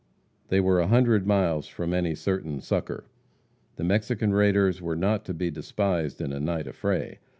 They were a hundred miles from any certain succor. The Mexican raiders are not to be despised in a night affray.